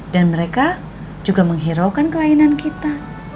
dan mereka juga menghiraukan kelainan kita